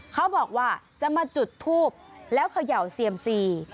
เขาบอกว่าจะมาจุดทูบแล้วเขย่าเซียมซี